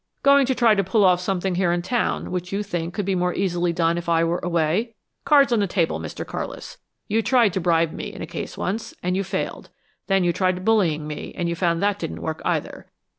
"Going to try to pull off something here in town which you think could be more easily done if I were away? Cards on the table, Mr. Carlis! You tried to bribe me in a case once, and you failed. Then you tried bullying me and you found that didn't work, either.